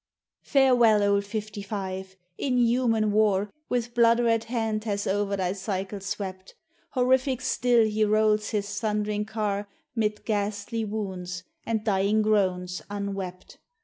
Farewell, old Fifty five! inhuman war With blood red hand has o'er thy cycle swept. Horrific still he rolls his thund'ring car 'Mid ghastly wounds, and dying groans unwept.